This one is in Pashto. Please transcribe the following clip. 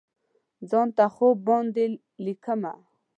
ځان ته خوب باندې لیکمه